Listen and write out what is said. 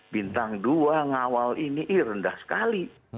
bintang dua ngawal ini rendah sekali